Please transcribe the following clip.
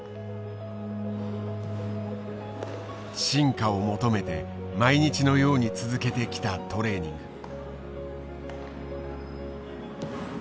進化を求めて毎日のように続けてきたトレーニング。